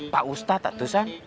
pak ustadz artusan